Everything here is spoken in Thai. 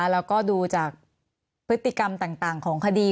แล้วก็ดูจากพฤติกรรมต่างของคดี